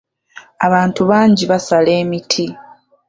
Abantu bangi basala emiti.